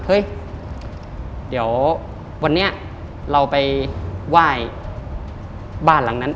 เฮ้ยเดี๋ยววันนี้เราไปไหว้บ้านหลังนั้น